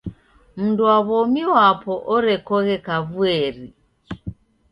Mndu wa w'omi wapo orekoghe kavuieri.